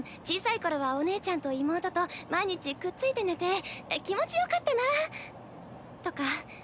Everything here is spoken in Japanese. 小さい頃はお姉ちゃんと妹と毎日くっついて寝て気持ちよかったなとか。